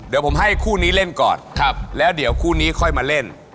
เดี๋ยวผมให้คู่นี้เล่นก่อน